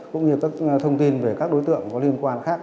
cũng như các thông tin về các đối tượng có liên quan khác